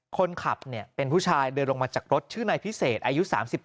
คนขับเป็นผู้ชายเดินลงมาจากรถชื่อนายพิเศษอายุ๓๗